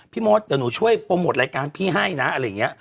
มดเดี๋ยวหนูช่วยโปรโมทรายการพี่ให้นะอะไรอย่างนี้